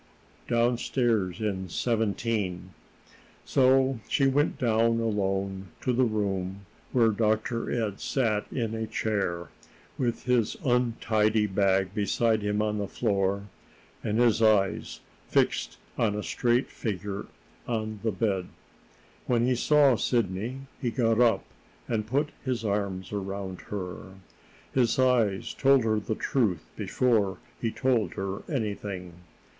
"Downstairs, in Seventeen." So she went down alone to the room where Dr. Ed sat in a chair, with his untidy bag beside him on the floor, and his eyes fixed on a straight figure on the bed. When he saw Sidney, he got up and put his arms around her. His eyes told her the truth before he told her anything.